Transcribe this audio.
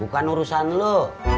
bukan urusan lu